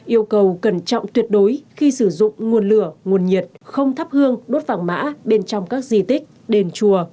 yêu cầu cẩn trọng tuyệt đối khi sử dụng nguồn lửa nguồn nhiệt không thắp hương đốt vàng mã bên trong các di tích đền chùa